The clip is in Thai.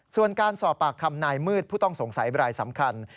ส่วนการสอบปากคำนายมืดผู้ต้องสงสัยบรายสำคัญ